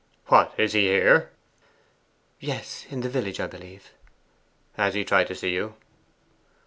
What, is he here?' 'Yes; in the village, I believe.' 'Has he tried to see you?